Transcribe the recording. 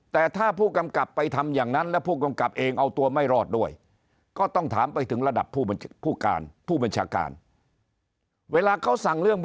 แต่ถ้าผู้กำกับไปทำอย่างนั้นและผู้กำกับเองเอาตัวไม่รอดด้วยก็ต้องถามไปถึงระดับผู้การผู้บัญชาการเวลาเขาสั่งเรื่อง